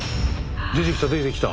出てきた出てきた！